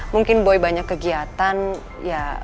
mungkin boy banyak kegiatan ya